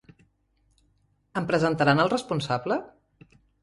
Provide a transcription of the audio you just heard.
Em presentaran al responsable?